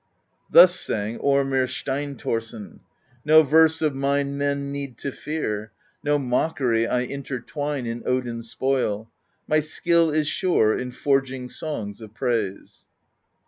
Thus sang Ormr Steinthorsson : No verse of mine men need to fear, No mockery I intertwine In Odin's Spoil; my skill is sure In forging songs of praise.